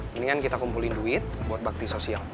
mendingan kita kumpulin duit buat bakti sosial